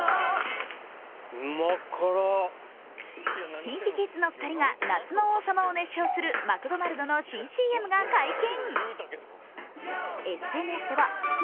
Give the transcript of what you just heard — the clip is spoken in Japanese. ＫｉｎＫｉＫｉｄｓの２人が「夏の王様」を熱唱するマクドナルドの新ＣＭが解禁。